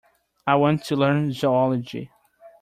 I want to learn Zoology.